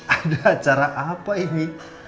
ada acara apa ini